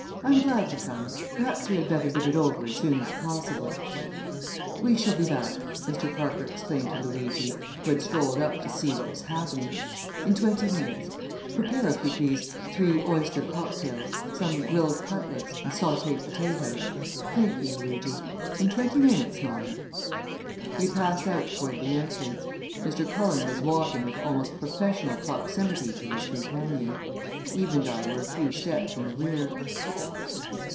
"I am glad to come. Perhaps we had better get it over as soon as possible." "We shall be back," Mr. Parker explained to Luigi, who had strolled up to see what was happening, "in twenty minutes. Prepare, if you please, three oyster cocktails, some grilled cutlets, and sauté potatoes. Thank you, Luigi. In twenty minutes, mind!" We passed out toward the entrance. Mr. Cullen was walking with almost professional proximity to his companion. Eve and I were a few steps in the rear.